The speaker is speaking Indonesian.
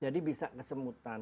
jadi bisa kesemutan